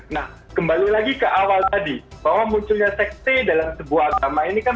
nah kembali lagi ke awal tadi bahwa munculnya sekte dalam sebuah agama ini kan